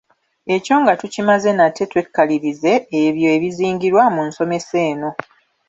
Ekyo nga tukimaze nate twekalirize ebyo ebizingirwa mu nsomesa eno